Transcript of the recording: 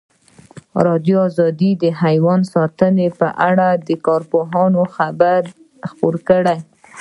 ازادي راډیو د حیوان ساتنه په اړه د کارپوهانو خبرې خپرې کړي.